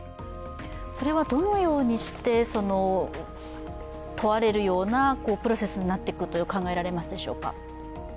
それはどのようにして問われるようなプロセスになっていくと考えられますか？